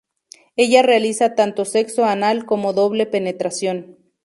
Ella realiza tanto sexo anal como doble penetración.